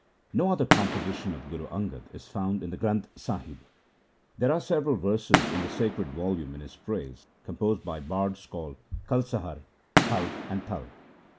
No other composition of Guru Angad is found in the Granth Sahib. There are several verses in the sacred volume in his praise, composed by bards called Kalsahar, Kal, and Tal.